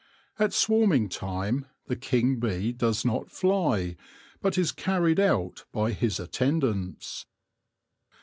At swarming time, the king bee does not fly, but is carried out by his attendants.